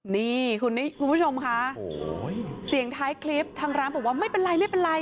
นี่คุณผู้ชมค่ะเสียงท้ายคลิปทางร้านบอกว่าไม่เป็นไรไม่เป็นไร